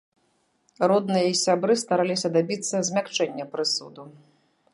Родныя і сябры стараліся дабіцца змякчэння прысуду.